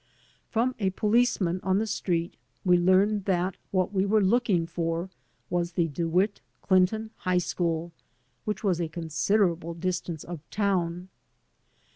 From a policeman on the street we learned that what we were looking for was the De Witt Clinton High School, which was a considerable distance up town.